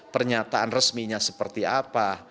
pernyataan resminya seperti apa